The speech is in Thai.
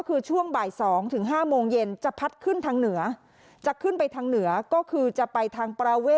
คือช่วงบ่ายสองถึงห้าโมงเย็นจะพัดขึ้นทางเหนือก็คือจะไปทาง